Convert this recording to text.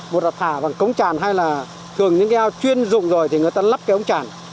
một là thả bằng cống chản hay là thường những cái ao chuyên dụng rồi thì người ta lắp cái ống chản